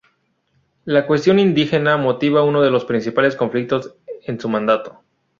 La cuestión indígena motivaría uno de los principales conflictos en su mandato.